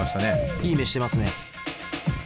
いい目してますね。